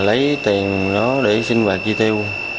lấy tiền đó để sinh vật chi tiêu